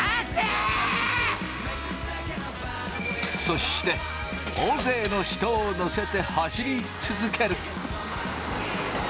そして大勢の人を乗せて走り続ける。